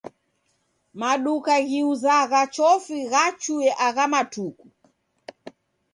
Maduka ghiuzagha chofi ghachuye agha matuku.